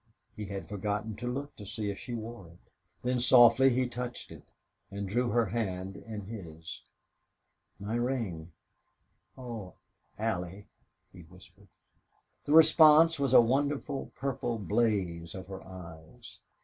He had forgotten to look to see if she wore it. Then softly he touched it and drew her hand in his. "My ring. Oh, Allie!" he whispered. The response was a wonderful purple blaze of her eyes.